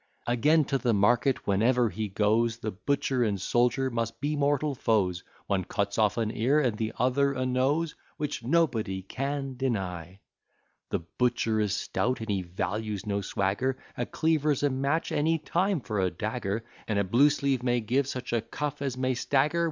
Again, to the market whenever he goes, The butcher and soldier must be mortal foes, One cuts off an ear, and the other a nose. Which, &c. The butcher is stout, and he values no swagger; A cleaver's a match any time for a dagger, And a blue sleeve may give such a cuff as may stagger.